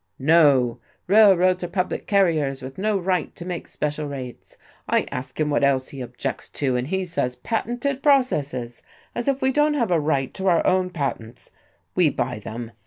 No, railroads are public carriers with no right to make special rates. I ask him what else he objects to, and he says patented processes. As if we don't have a right to our own patents! We buy them.